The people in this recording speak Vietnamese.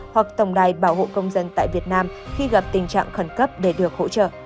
hoặc tổng đài bảo hộ công dân tại việt nam khi gặp tình trạng khẩn cấp để được hỗ trợ